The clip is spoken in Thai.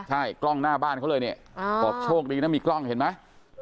ใช่กล้องหน้าบ้านเขาเลยเนี่ยบอกโชคดีนะมีกล้องเห็นไหม